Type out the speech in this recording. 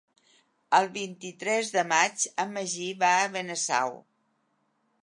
El vint-i-tres de maig en Magí va a Benasau.